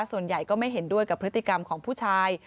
ส่วนใหญ่ก็ไม่เห็นด้วยกับพฤติกรรมของผู้ชาย